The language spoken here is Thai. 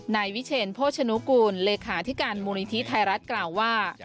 นายวิเชนโภชนุกูลเลขาธิการมูลนิธิไทยรัฐกล่าวว่า